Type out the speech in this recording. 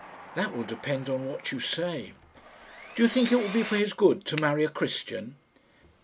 "That will depend on what you say." "Do you think it will be for his good to marry a Christian?"